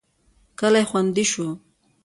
کلی خوندي شو.